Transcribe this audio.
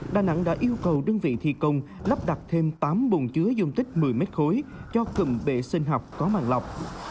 đà nẵng đã yêu cầu đơn vị thi công lắp đặt thêm tám bùng chứa dung tích một mươi mét khối cho cùm bệ sinh học có màn lọc